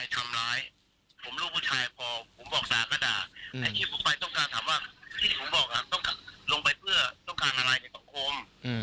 แต่ที่ผมไปต้องการถามว่าที่ผมบอกลงไปเพื่อต้องการอะไรในสังคม